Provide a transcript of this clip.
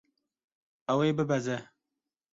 Ew ê bibeze.